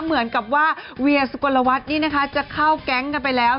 เหมือนกับว่าเวียสุกลวัฒน์นี่นะคะจะเข้าแก๊งกันไปแล้ว